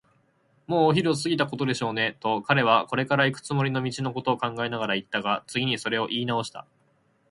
「もうお昼を過ぎたことでしょうね」と、彼はこれからいくつもりの道のことを考えながらいったが、次にそれをいいなおした。